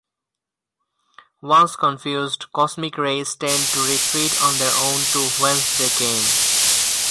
Once confused, cosmic rays tend to retreat on their own to whence they came.